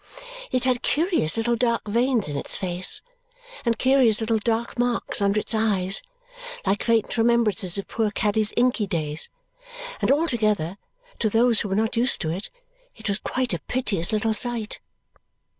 It had curious little dark veins in its face and curious little dark marks under its eyes like faint remembrances of poor Caddy's inky days, and altogether, to those who were not used to it, it was quite a piteous little sight.